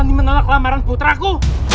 kalian berani menolak lamaran putra ku